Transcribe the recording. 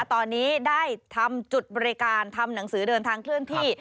ตอนนี้ได้ทำจุดบริการทำหนังสือเดินทางเคลื่อนที่